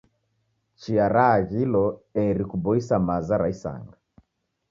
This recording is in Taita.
Chia raaghilo eri kuboisa maza ra isanga.